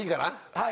はい。